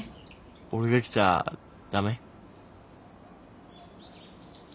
俺が来ちゃ駄目？